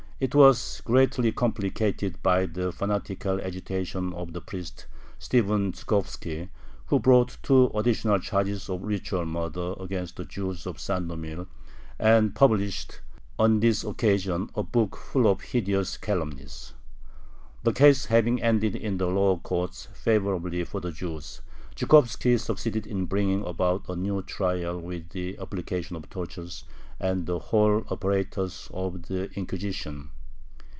It was greatly complicated by the fanatical agitation of the priest Stephen Zhukhovski, who brought two additional charges of ritual murder against the Jews of Sandomir, and published, on this occasion, a book full of hideous calumnies. The case having ended in the lower courts favorably for the Jews, Zhukhovski succeeded in bringing about a new trial with the application of tortures and the whole apparatus of the Inquisition.